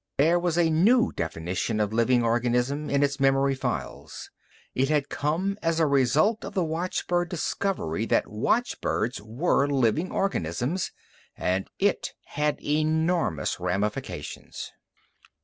There was a new definition of living organism in its memory files. It had come as a result of the watchbird discovery that watchbirds were living organisms. And it had enormous ramifications.